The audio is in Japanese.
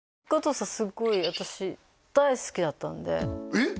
えっ？